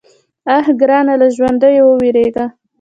_اه ګرانه! له ژونديو ووېرېږه.